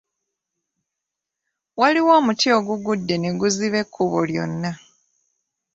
Waliwo omuti ogugudde ne guziba ekkubo lyonna.